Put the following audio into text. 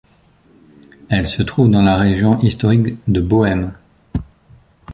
Elle se trouve dans la région historique de Bohême.